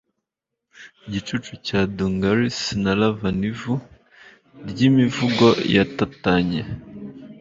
igicucu cya dungarees na lava nivu ryimivugo yatatanye